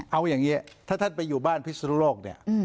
เอาอย่างนี้ถ้าท่านไปอยู่บ้านพิสุทธิ์โลก